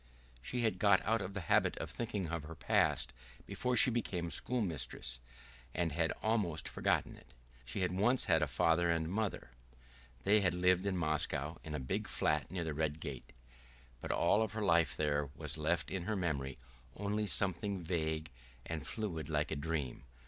She had got out of the habit of thinking of her past before she became a schoolmistress, and had almost forgotten it. She had once had a father and mother; they had lived in Moscow in a big flat near the Red Gate, but of all that life there was left in her memory only something vague and fluid like a dream.